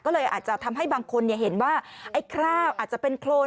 ก็เลยอาจจะทำให้บางคนเห็นว่าไอ้คราวอาจจะเป็นโครน